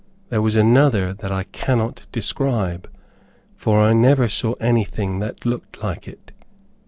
There was another that I cannot describe, for I never saw anything that looked like it.